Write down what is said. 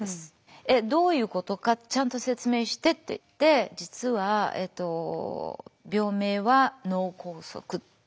「えっどういうことかちゃんと説明して」って言って「実は病名は脳梗塞」って。